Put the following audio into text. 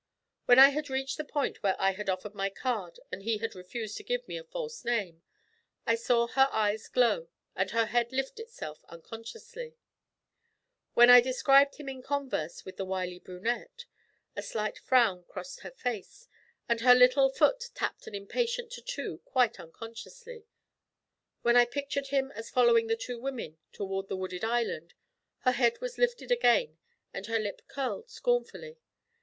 When I had reached the point where I had offered my card and he had refused to give me a false name, I saw her eyes glow and her head lift itself unconsciously; when I described him in converse with the wily brunette, a slight frown crossed her face, and her little foot tapped an impatient tattoo quite unconsciously; when I pictured him as following the two women toward the Wooded Island, her head was lifted again and her lip curled scornfully.